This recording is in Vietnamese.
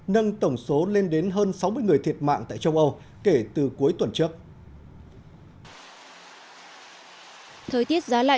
nâng tổng số lên đến hơn sáu mươi người thiệt mạng tại châu âu kể từ cuối tuần trước